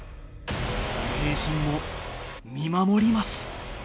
名人も見守ります。